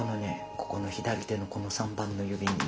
ここの左手のこの３番の指にね